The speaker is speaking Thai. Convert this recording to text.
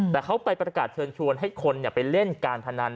แต่เขาไปประกาศเชิญชวนให้คนไปเล่นการพนัน